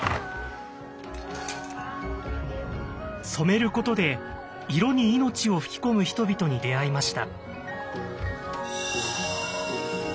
「染めること」で色に命を吹き込む人々に出会いました。